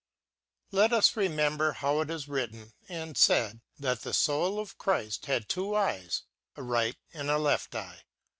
T ET us remember how it is written •*' and faid that the foul of Chrift had two eyes, a right and a left eye.